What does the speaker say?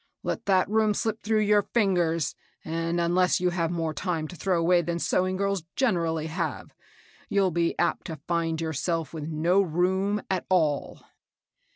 Let that room slip through your fingers, and, unless you have more time to throw away than sewing girls THE HOUSE AGENT. 141 generally have, you'll be apt to find yourself with no room at all."